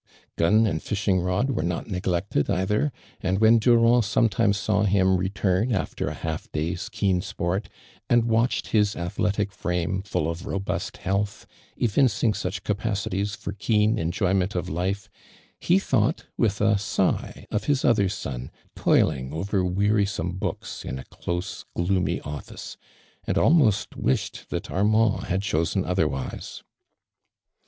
CJun and fishing rod were not neglected cither, and when Durand sometimes saw him return after ahalf days keen sport, and watched hi^ athletic frame, full of robust h«Milt'li, evincing such capk cities for keen enjoyment of life, he thought, with a sigh, of his other son, toiling ovfer wearisome books in a close gloomy office, and almost wi.shed that Armand had chosen otherwise.